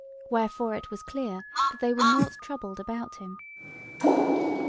Wherefore it was clear that they were nought troubled about him.